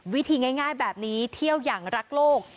วิธีง่ายแบบนี้เที่ยวอย่างรักโลก